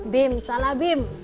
bim salah bim